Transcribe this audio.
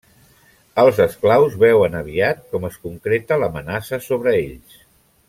Els esclaus veuen aviat com es concreta l'amenaça sobre ells.